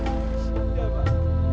terima kasih pak